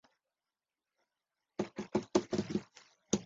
站名显示此站是距离东京大学最近的车站。